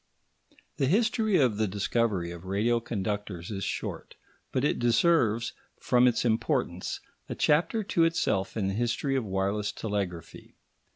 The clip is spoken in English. The history of the discovery of radio conductors is short, but it deserves, from its importance, a chapter to itself in the history of wireless telegraphy.